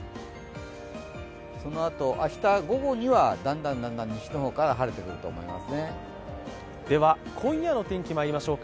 そのあと明日午後には、だんだん西の方から晴れてくると思います。